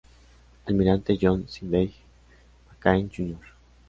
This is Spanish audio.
Almirante John Sidney McCain Jr.